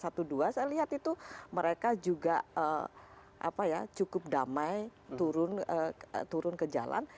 saya lihat itu mereka juga cukup damai turun ke jalan